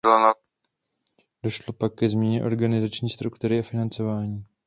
Došlo pak ke změně organizační struktury a financování.